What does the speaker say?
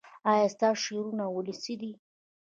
ایا ستاسو شعرونه ولسي دي؟